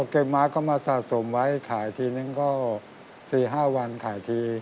เก็บม้าก็มาสะสมไว้ขายทีนึงก็๔๕วันขายที